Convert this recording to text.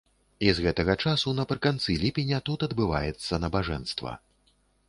І з гэтага часу напрыканцы ліпеня тут адбываецца набажэнства.